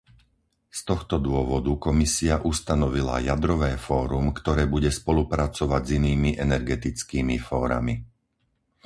Z tohto dôvodu Komisia ustanovila Jadrové fórum, ktoré bude spolupracovať s inými energetickými fórami.